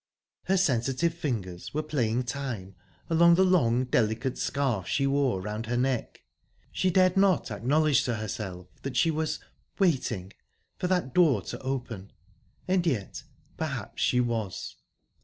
Her sensitive fingers were playing time along the long, delicate scarf she wore round her neck. She dared not acknowledge to herself that she was waiting for that door to open, and yet perhaps she was.